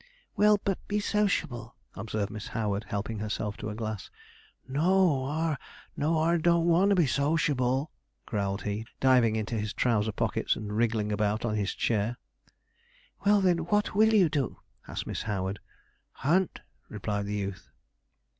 'Well, but be sociable,' observed Miss Howard, helping herself to a glass. 'N o a, no, ar don't want to be sociable,' growled he, diving into his trouser pockets, and wriggling about on his chair. 'Well, then, what will you do?' asked Miss Howard. 'Hunt,' replied the youth.